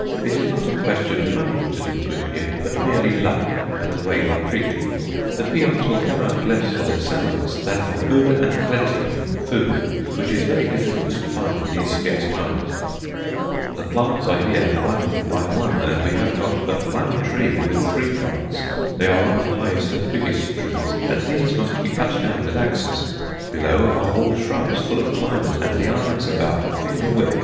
It is not a question of money to do good here, but merely luck and the way one treats people. The peons come out less for their salaries than for good and plenty of food, which is very difficult to find in these scarce times.... "The plants are here one by one, and we have got but one tree with three plants. They are on the highest and biggest trees, and these must be cut down with axes. Below are all shrubs, full of climbers and lianas about a finger thick.